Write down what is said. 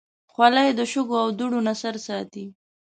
خولۍ د شګو او دوړو نه سر ساتي.